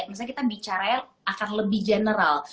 misalnya kita bicaranya akan lebih general